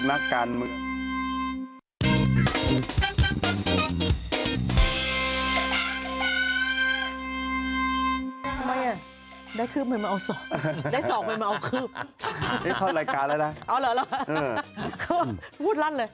ดีมากนะคะดีมีแฟนอะไรก็นัสการเมืองหมดเลยโกรธโดยมคบลูกนักการเมือง